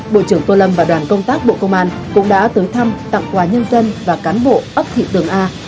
bộ trưởng tô lâm và đoàn công tác bộ công an cũng đã tới thăm tặng quà nhân dân và cán bộ ấp thị tường a